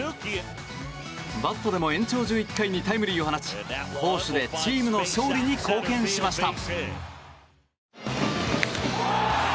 バットでも延長１１回にタイムリーを放ち攻守でチームの勝利に貢献しました。